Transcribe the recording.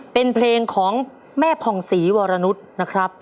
เป็นเพลงของแม่ผ่องศรีวรนุษย์นะครับ